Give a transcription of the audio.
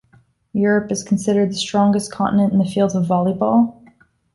Europe is considered the strongest continent in the field of volleyball.